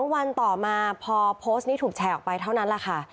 วันต่อมาพอโพสต์นี้ถูกแชร์ออกไปเท่านั้นแหละค่ะ